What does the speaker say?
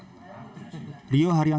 rio haryanto mengatakan